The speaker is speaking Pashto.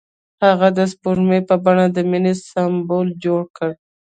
هغه د سپوږمۍ په بڼه د مینې سمبول جوړ کړ.